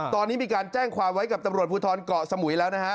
ตอนนี้มีการแจ้งความไว้กับตำรวจภูทรเกาะสมุยแล้วนะฮะ